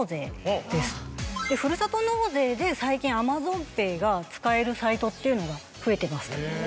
ふるさと納税で最近「ＡｍａｚｏｎＰａｙ」が使えるサイトっていうのが増えてます。